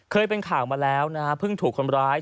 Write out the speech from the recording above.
เคยเป็นข่าวมาแล้วนะฮะเพิ่งถูกคนร้าย